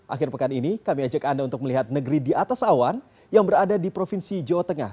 akhir pekan ini kami ajak anda untuk melihat negeri di atas awan yang berada di provinsi jawa tengah